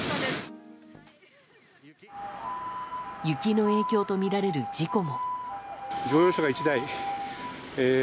雪の影響とみられる事故も。